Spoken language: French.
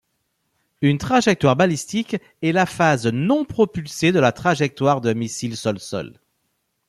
Une trajectoire balistique est la phase non propulsée de la trajectoire d'un missile sol-sol.